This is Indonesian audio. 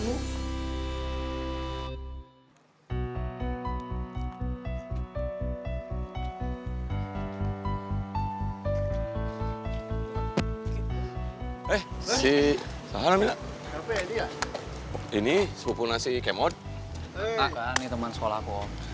hai eh sih salam ini supunasi kemon teman sekolah